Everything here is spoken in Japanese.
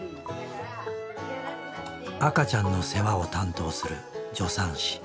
赤ちゃんの世話を担当する助産師。